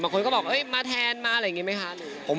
คนก็บอกมาแทนมาอะไรอย่างนี้ไหมคะ